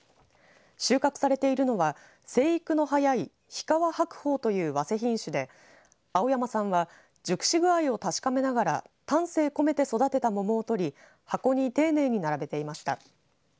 収穫されているのは生育の早い日川白鳳という、わせ品種で青山さんは熟し具合を確かめながら丹精込めて育てた桃を取り箱に丁寧に並べていました。